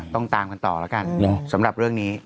ตามกันต่อแล้วกันสำหรับเรื่องนี้